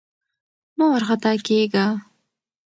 مه وارخطا کېږه!